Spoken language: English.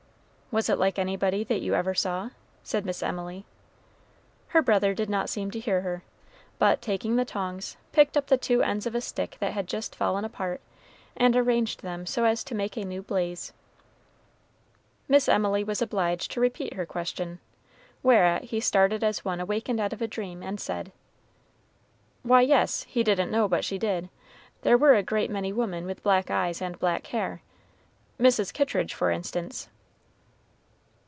"Was it like anybody that you ever saw?" said Miss Emily. Her brother did not seem to hear her, but, taking the tongs, picked up the two ends of a stick that had just fallen apart, and arranged them so as to make a new blaze. Miss Emily was obliged to repeat her question, whereat he started as one awakened out of a dream, and said, "Why, yes, he didn't know but she did; there were a good many women with black eyes and black hair, Mrs. Kittridge, for instance."